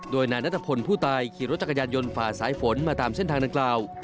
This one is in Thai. โดยนายนัทพลผู้ตายขี่รถจักรยานยนต์ฝ่าสายฝนมาตามเส้นทางดังกล่าว